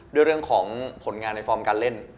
เรื่องของผลงานในฟอร์มการเล่น